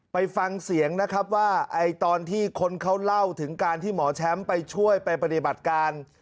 ไปฟังเสียงนะครับว่าตอนที่คนเขาเล่าถึงการที่หมอแชมป์ไปช่วยไปปฏิบัติการ